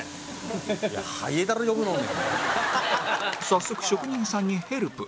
早速職人さんにヘルプ